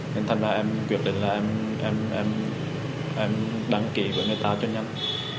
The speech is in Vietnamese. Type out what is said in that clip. nên thành và em quyết định là em đăng ký với người ta cho nhanh